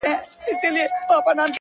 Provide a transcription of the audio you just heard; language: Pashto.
زما کار نسته بُتکده کي؛ تر کعبې پوري!